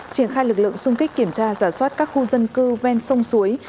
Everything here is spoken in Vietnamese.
triển khai lực lượng xung kích kiểm tra giả soát các khu dân cư ven sông suối